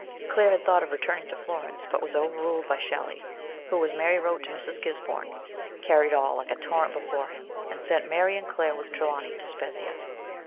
Claire had thought of returning to Florence, but was overruled by Shelley, who, as Mary wrote to Mrs. Gisborne, carried all like a torrent before him and sent Mary and Claire with Trelawny to Spezzia.